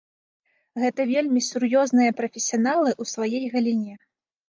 Гэта вельмі сур'ёзныя прафесіяналы ў сваёй галіне.